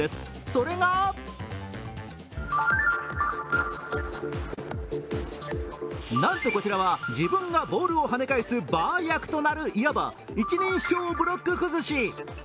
それが、なんとこちらは、自分がボールを跳ね返すバー役となる、いわば一人称ブロック崩し。